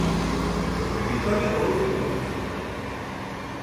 Vitoria por once puntos.